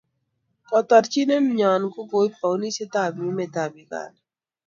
kotorchinenyo ko keib bounisiet ab emetab uganda